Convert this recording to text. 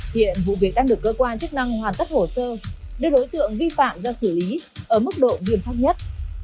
hiện vụ việc đang được cơ quan chức năng hoàn tất hồ sơ đưa đối tượng vi phạm ra xử lý ở mức độ viên pháp nhất